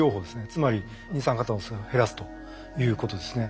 つまり二酸化炭素を減らすということですね。